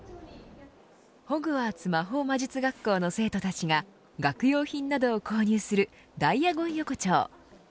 ホグワーツ魔法魔術学校の生徒たちが学用品などを購入するダイアゴン横丁。